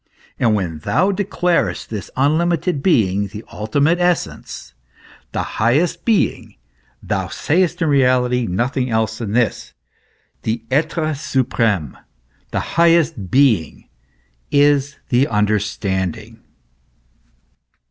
And when thou deelarest this unlimited being the ultimate essence, the highest being, thou sayest in reality nothing else than this : the etre supreme, the highest being, is the understanding.